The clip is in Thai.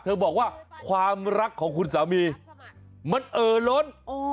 บอกว่าความรักของคุณสามีมันเอ่อล้น